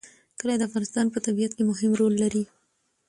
کلي د افغانستان په طبیعت کې مهم رول لري.